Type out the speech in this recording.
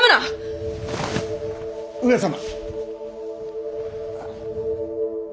上様。